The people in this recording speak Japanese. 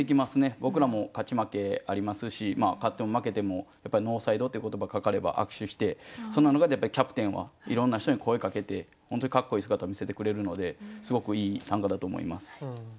僕らも勝ち負けありますし勝っても負けても「ノーサイド」っていう言葉かかれば握手してそんな中でキャプテンはいろんな人に声かけて本当にかっこいい姿を見せてくれるのですごくいい短歌だと思います。